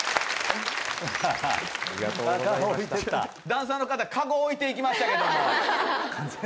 ダンサーの方籠を置いていきましたけども。